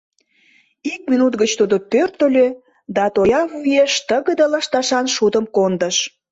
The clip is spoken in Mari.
Ик минут гыч тудо пӧртыльӧ да тоя вуеш тыгыде лышташан шудым кондыш.